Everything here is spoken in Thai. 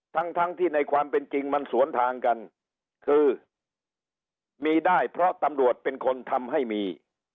ทั้งทั้งที่ในความเป็นจริงมันสวนทางกันคือมีได้เพราะตำรวจเป็นคนทำให้มี